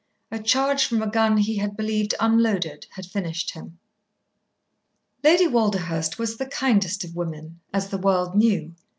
A charge from a gun he had believed unloaded had finished him. Lady Walderhurst was the kindest of women, as the world knew.